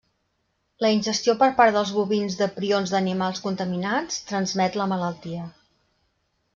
La ingestió per part dels bovins de prions d'animals contaminats transmet la malaltia.